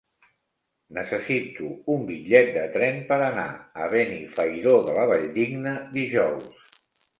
Necessito un bitllet de tren per anar a Benifairó de la Valldigna dijous.